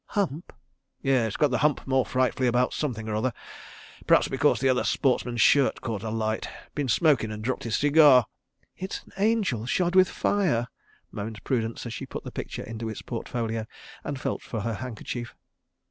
"Hump?" "Yes. Got the hump more frightfully about something or other—p'r'aps because the other sportsman's shirt's caught alight. ... Been smokin', and dropped his cigar. ..." "It is an angel shod with fire," moaned Prudence as she put the picture into its portfolio, and felt for her handkerchief.